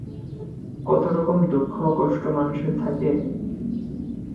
কত রকম দুঃখ-কষ্ট মানুষের থাকে।